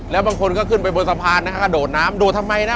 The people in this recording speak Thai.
แล้วบางคนก็ขึ้นไปบนสะพานนะฮะกระโดดน้ำโดดทำไมนะ